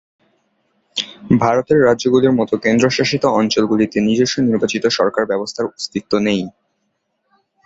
ভারতের রাজ্যগুলির মতো কেন্দ্রশাসিত অঞ্চলগুলিতে নিজস্ব নির্বাচিত সরকার ব্যবস্থার অস্তিত্ব নেই।